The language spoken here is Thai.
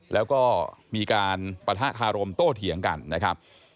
แล้วก็มีการปะทะคารมโต้เถียงกันนะครับ